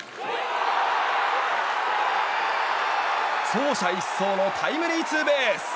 走者一掃のタイムリーツーベース。